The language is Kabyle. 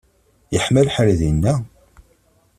Yeḥma lḥal dinna?